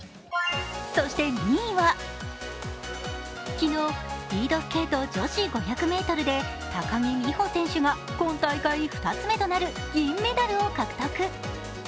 そして２位は、昨日スピードスケート女子５００ｍで高木美帆選手が今大会２つ目となる銀メダルを獲得。